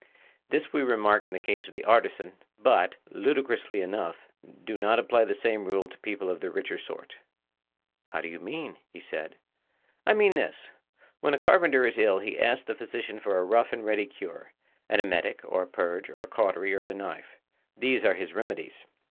This we remark in the case of the artisan, but, ludicrously enough, do not apply the same rule to people of the richer sort. How do you mean? he said. I mean this: When a carpenter is ill he asks the physician for a rough and ready cure; an emetic or a purge or a cautery or the knife,—these are his remedies.